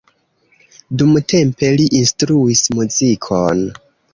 Dumtempe li instruis muzikon.